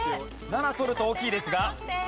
７取ると大きいですが。